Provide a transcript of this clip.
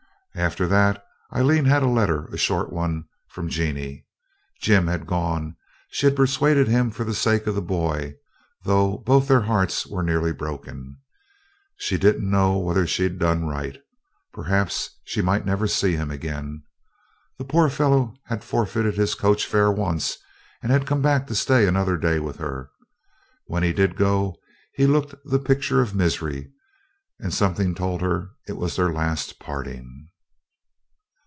After that Aileen had a letter, a short one, from Jeanie. Jim had gone. She had persuaded him for the sake of the boy, though both their hearts were nearly broken. She didn't know whether she'd done right. Perhaps she never might see him again. The poor fellow had forfeited his coach fare once, and come back to stay another day with her. When he did go he looked the picture of misery, and something told her it was their last parting.